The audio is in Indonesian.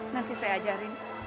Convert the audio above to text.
nanti saya ajarin